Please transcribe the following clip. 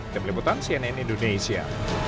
demi liputan cnn indonesia